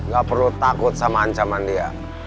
gak perlu takut sama ancaman dia